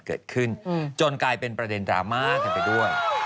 เกิดขึ้นจนกลายเป็นประเด็นดราม่ากันไปด้วย